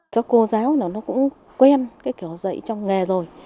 các cô giáo là nó cũng quen cái kiểu dạy trong nghề rồi